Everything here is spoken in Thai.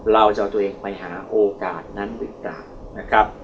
เราจะเอาตัวเองไปหาโอกาสนั้นหรือตาม